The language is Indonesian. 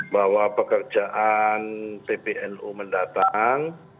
bahwa pekerjaan pbnu mendatang